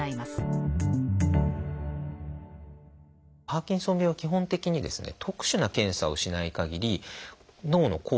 パーキンソン病は基本的に特殊な検査をしないかぎり脳の構造形ですね